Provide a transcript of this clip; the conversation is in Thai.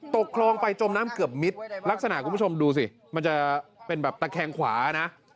ตกคลองไปจมน้ำเกือบมิตรลักษณะคุณผู้ชมดูสิมันจะเป็นแบบตะแคงขวานะ